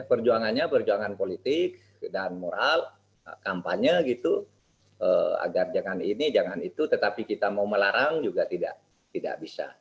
perjuangannya perjuangan politik dan moral kampanye gitu agar jangan ini jangan itu tetapi kita mau melarang juga tidak bisa